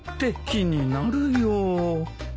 気になるよ。